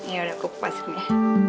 yaudah kukupasin ya